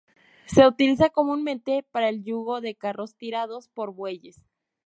Se utiliza comúnmente para el yugo de carros tirados por bueyes.